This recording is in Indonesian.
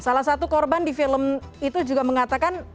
salah satu korban di film itu juga mengatakan